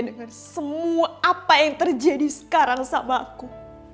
dengan semua apa yang terjadi sekarang sama aku